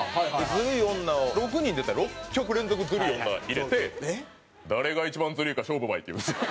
『ズルい女』を６人で行ったら６曲連続『ズルい女』入れて「誰が一番ズルいか勝負ばい！」って言うんですよ。